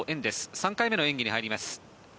３回目の演技に入ります。